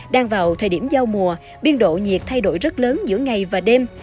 đang vào thời điểm giao mùa biên độ nhiệt thay đổi rất lớn giữa ngày và đêm